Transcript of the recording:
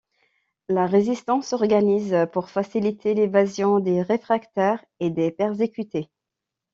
La résistance s'organise pour faciliter l'évasion des réfractaires et des persécutés.